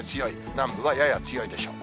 南部はやや強いでしょう。